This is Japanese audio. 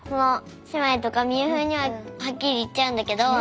姉妹とか美羽風羽にははっきり言っちゃうんだけど。